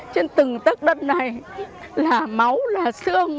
khiến bà không giấu nổi những xúc động